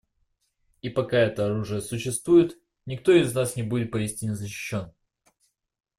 И пока это оружие существует, никто из нас не будет поистине защищен.